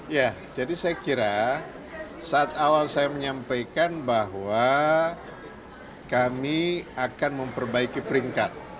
ya jadi saya kira saat awal saya menyampaikan bahwa kami akan memperbaiki peringkat